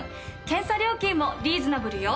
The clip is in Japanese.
検査料金もリーズナブルよ。